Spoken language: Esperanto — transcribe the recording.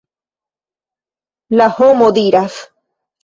La homo diras.